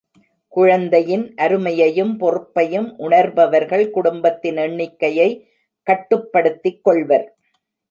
குழந்தையின் அருமையையும், பொறுப்பையும் உணர்பவர்கள் குடும்பத்தின் எண்ணிக்கையை கட்டுப்படுத்திக் கொள்வர்.